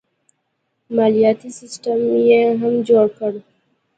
مالیاتي سیستم یې هم جوړ کړ.